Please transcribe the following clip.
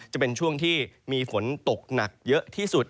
จะเป็นช่วงที่มีฝนตกหนักเยอะที่สุด